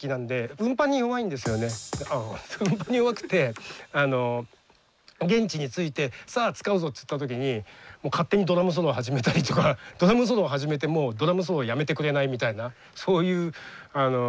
運搬に弱くて現地に着いてさあ使うぞっていった時にもう勝手にドラムソロ始めたりとかドラムソロを始めてもドラムソロやめてくれないみたいなそういう何ですかね